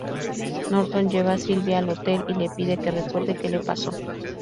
Norton lleva a Silvia al hotel y le pide que recuerde que le pasó.